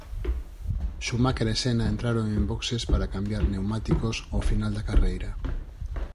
Schumacher e Senna entraron en boxes para cambiar pneumáticos ao final da carreira.